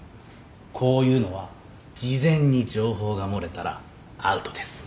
こういうのは事前に情報が漏れたらアウトです。